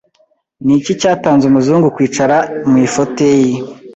Ni iki cyatanze umuzungu kwicara mu ifoteyi